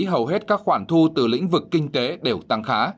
hầu hết các khoản thu từ lĩnh vực kinh tế đều tăng khá